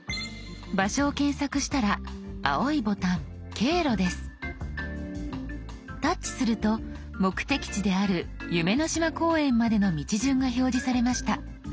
場所を検索したら青いボタン「経路」です。タッチすると目的地である夢の島公園までの道順が表示されました。